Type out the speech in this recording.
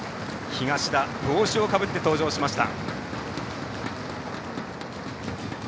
東田、帽子をかぶって登場しました。